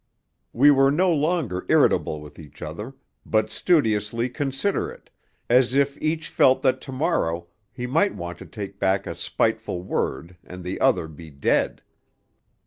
We were no longer irritable with each other, but studiously considerate, as if each felt that to morrow he might want to take back a spiteful word and the other be dead.